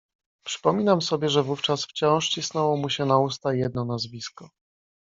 "Przypominam sobie, że wówczas wciąż cisnęło mu się na usta jedno nazwisko."